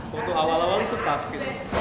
waktu awal awal itu tough gitu